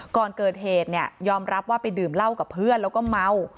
ก่อนเกิดเหตุเนี่ยยอมรับว่าไปดื่มเหล้ากับเพื่อนแล้วก็เมา